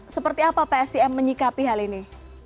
seperti apa psim menyikapi hal ini